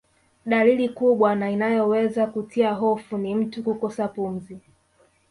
Dalili kubwa na inayoweza kutia hofu ni mtu kukosa pumzi